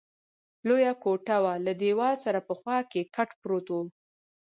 لویه کوټه وه، له دېوال سره په خوا کې کټ پروت وو.